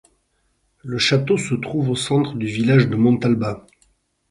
Le château se trouve au centre du village de Montalba.